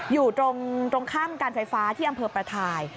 อยู่ตรงข้ามการไฟฟ้าที่อำเภอประทาย